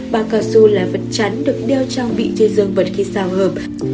bao cao su là vật chắn được đeo trang bị trên dương vật khi sao hợp